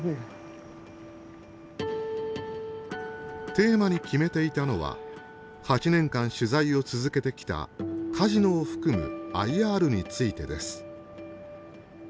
テーマに決めていたのは８年間取材を続けてきたカジノを含むＩＲについてです。